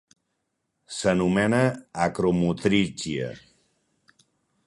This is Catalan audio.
S'anomena achromotrichia.